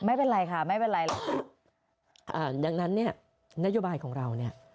ไม่เป็นไรค่ะไม่เป็นไรหรอกอ่าดังนั้นเนี่ยนโยบายของเราเนี่ย